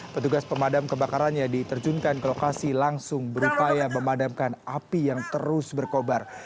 petugas pemadam kebakarannya diterjunkan ke lokasi langsung berupaya memadamkan api yang terus berkobar